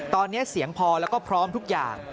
ตอนนี้เสียงพอแล้วก็พร้อมทุกอย่าง